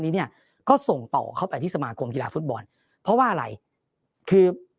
นี้เนี่ยก็ส่งต่อเข้าไปที่สมาคมกีฬาฟุตบอลเพราะว่าอะไรคือ